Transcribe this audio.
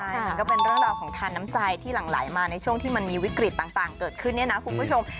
ใช่มันก็เป็นเรื่องราวของทานน้ำใจที่หลั่งไหลมาในช่วงที่มันมีวิกฤตต่างเกิดขึ้นเนี่ยนะคุณผู้ชม